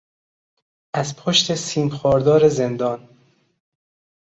از پشت سیم خاردار زندان